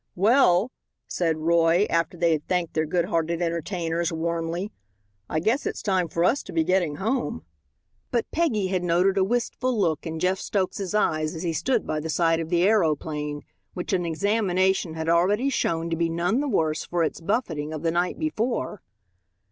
"Well," said Roy, after they had thanked their good hearted entertainers warmly, "I guess it's time for us to be getting home." But Peggy had noted a wistful look in Jeff Stokes's eyes as he stood by the side of the aeroplane, which an examination had already shown to be none the worse for its buffeting of the night before.